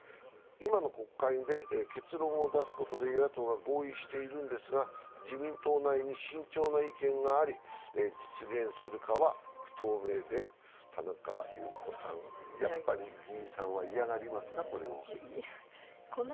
今の国会で結論を出すことで与野党が合意しているんですが、自民党内に慎重な意見があり実現するかは不透明で、やっぱり議員さんはこれを嫌がりますか、田中優子さん。